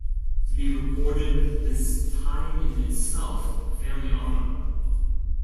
To be recorded at this time in itself a family honor.